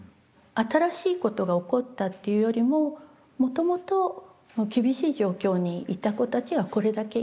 新しいことが起こったっていうよりももともと厳しい状況にいた子たちがこれだけいた。